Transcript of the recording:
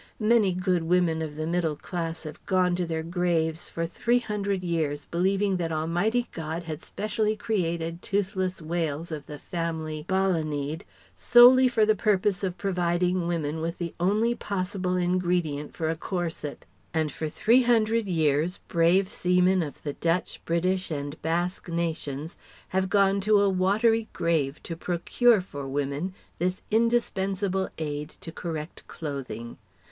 Many good women of the middle class have gone to their graves for three hundred years believing that Almighty God had specially created toothless whales of the Family Balænidæ solely for the purpose of providing women with the only possible ingredient for a corset; and for three hundred years, brave seamen of the Dutch, British and Basque nations had gone to a watery grave to procure for women this indispensable aid to correct clothing.